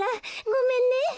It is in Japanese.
ごめんね。